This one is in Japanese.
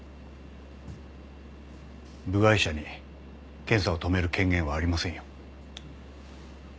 部外者に検査を止める権限はありませんよ。